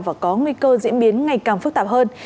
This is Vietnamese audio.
và có nguy cơ diễn biến ngày càng phức tạp hơn